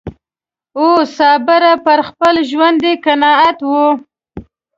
وو صابره پر خپل ژوند یې قناعت و